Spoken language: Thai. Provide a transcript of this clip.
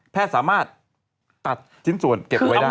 แพทย์สามารถตัดจิ้นส่วนเสริมน้ำอายุเก็บไว้ได้